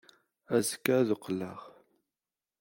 Azekka ad d-qqleɣ.